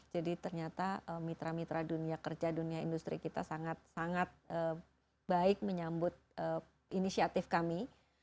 jadi ternyata mitra mitra dunia kerja dunia industri kita sangat sangat baik menyambut inisiatif kami